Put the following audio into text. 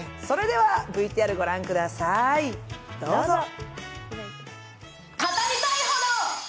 それではＶＴＲ御覧ください、どうぞ。